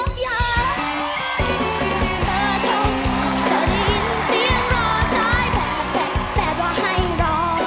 เบอร์เธอจะได้ยินเสียงรอซ้ายบอกแบบแบบว่าให้รอ